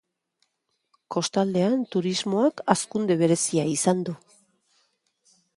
Kostaldean turismoak hazkunde berezia izan du.